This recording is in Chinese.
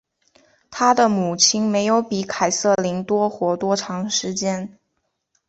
她的母亲没有比凯瑟琳多活多长时间。